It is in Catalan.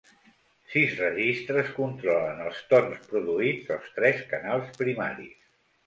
Sis registres controlen els tons produïts als tres canals primaris.